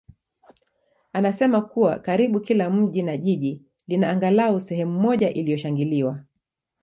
anasema kuwa karibu kila mji na jiji lina angalau sehemu moja iliyoshangiliwa.